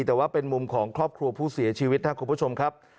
แต่ว่าเป็นมุมของครอบครัวผู้เสียชีวิตนะครับคุณผู้ชมครับ